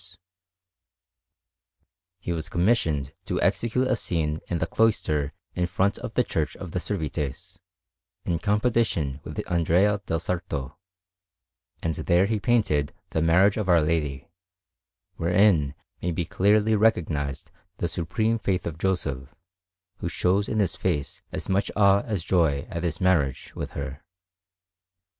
Annunziata_) Anderson] He was commissioned to execute a scene in the cloister in front of the Church of the Servites, in competition with Andrea del Sarto; and there he painted the Marriage of Our Lady, wherein may be clearly recognized the supreme faith of Joseph, who shows in his face as much awe as joy at his marriage with her.